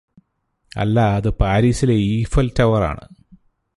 അല്ലാ അത് പാരിസിലെ ഈഫൽ ടവറാണ്